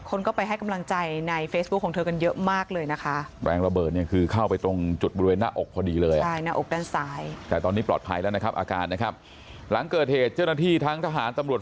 คนก็ไปให้กำลังใจในเฟซบุ๊คของเธอกันเยอะมากเลยนะคะ